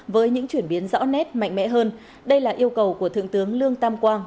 với những chuyển biến rõ nét mạnh mẽ hơn đây là yêu cầu của thượng tướng lương tam quang